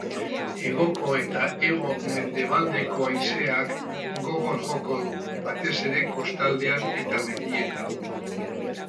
Hegoko eta hego-mendebaldeko haizeak gogor joko du, batez ere kostaldean eta mendietan.